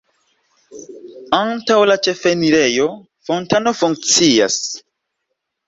Antaŭ la ĉefenirejo fontano funkcias.